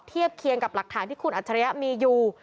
เทียบเคียงกับหลักฐานที่คุณอัจฉริยะมีอยู่